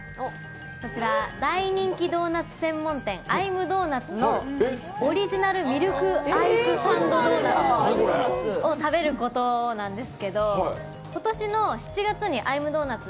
大人気ドーナツ専門店Ｉ’ｍｄｏｎｕｔ？のオリジナルミルクアイスサンドドーナツを食べることなんですけど今年の７月にＩ’ｍｄｏｎｕｔ？